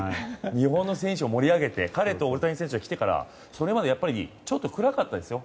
日本の選手も盛り上げて彼と大谷選手が来てからそれまでちょっと暗かったですよ